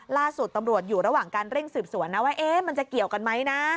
ล่าสุดตำรวจอยู่ระหว่างการเร่งสืบสวนนะว่ามันจะเกี่ยวกันไหมนะ